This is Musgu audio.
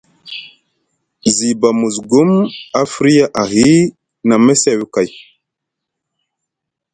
Ziba Musgum a firya ahi na mesew kay.